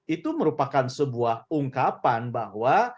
itu merupakan sebuah ungkapan bahwa